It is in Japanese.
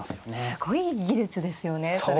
すごい技術ですよねそれは。